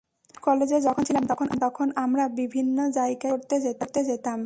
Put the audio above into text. Art কলেজে যখন ছিলাম, তখন আমরা বিভিন্ন জায়গায় সেট করতে যেতাম।